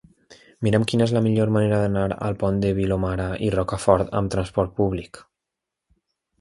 Mira'm quina és la millor manera d'anar al Pont de Vilomara i Rocafort amb trasport públic.